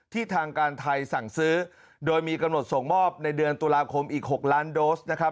ทางการไทยสั่งซื้อโดยมีกำหนดส่งมอบในเดือนตุลาคมอีก๖ล้านโดสนะครับ